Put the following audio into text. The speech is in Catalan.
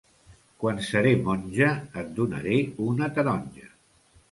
Quan seré monja et donaré una taronja.